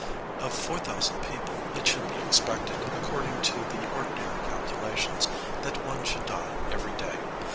Of four thousand people, it should be expected, according to the ordinary calculations, that one should die every day.